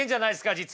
実は。